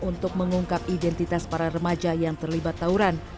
untuk mengungkap identitas para remaja yang terlibat tawuran